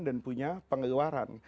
dan punya pengeluaran